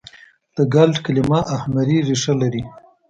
د ګلټ کلیمه اهمري ریښه لري.